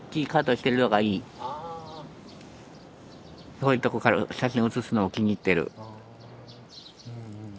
遠いとこから写真写すの気に入ってる。